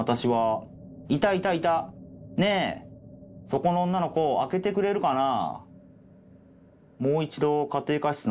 そこの女の子開けてくれるかな？」。